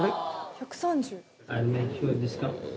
１３０。